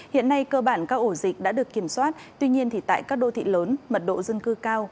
hiện nay cơ bản các ổ dịch đã được kiểm soát tuy nhiên tại các đô thị lớn mật độ dân cư cao